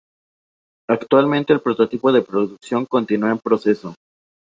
Actualmente el prototipo de producción continua en proceso.